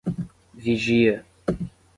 Vigia